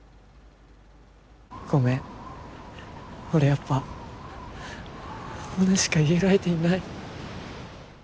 ごめん俺やっぱモネしか言える相手いない。